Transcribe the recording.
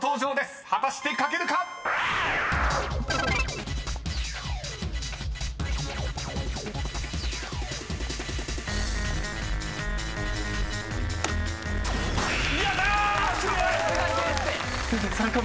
［果たして書けるか⁉］やった！